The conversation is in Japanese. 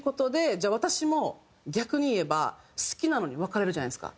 じゃあ私も逆に言えば好きなのに別れるじゃないですか。